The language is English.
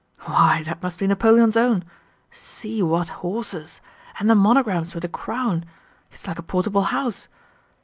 Why, that must be Napoleon's own. See what horses! And the monograms with a crown! It's like a portable house....